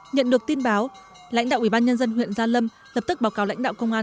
nhận được tin báo lãnh đạo ủy ban nhân dân huyện gia lâm lập tức báo cáo lãnh đạo công an